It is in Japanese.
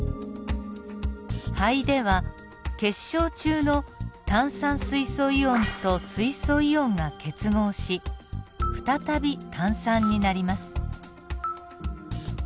肺では血しょう中の炭酸水素イオンと水素イオンが結合し再び炭酸になります。